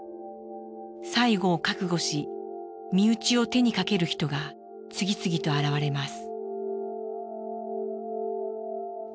最期を覚悟し身内を手にかける人が次々と現れます。